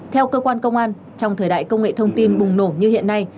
theo cơ quan công an trong thời đại công nghệ thông tin bùng nổ như hiện nay